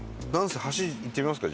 橋行ってみますか？